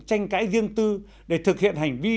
tranh cãi riêng tư để thực hiện hành vi